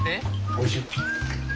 おいしい！